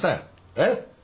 えっ？